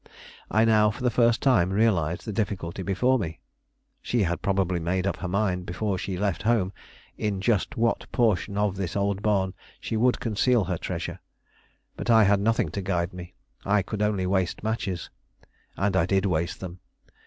I now for the first time realized the difficulty before me. She had probably made up her mind, before she left home, in just what portion of this old barn she would conceal her treasure; but I had nothing to guide me: I could only waste matches. And I did waste them.